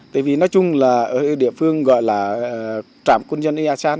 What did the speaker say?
tại vì nói chung là ở địa phương gọi là trạm quân dân y asan